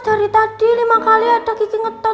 dari tadi lima kali ada gigi ngetok